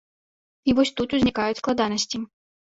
І вось тут узнікаюць складанасці.